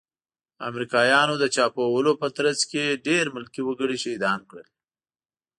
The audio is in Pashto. امريکايانو د چاپو وهلو په ترڅ کې ډير ملکي وګړي شهيدان کړل.